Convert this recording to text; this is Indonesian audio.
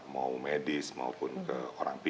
mau medis maupun ke orang tua